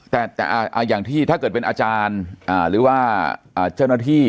แต่อย่างที่ถ้าเกิดเป็นอาจารย์หรือว่าเจ้าหน้าที่